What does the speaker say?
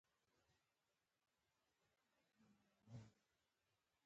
دې سیمه کې د لیکوال په وینا د غربت نښې نښانې له ورایه ښکاري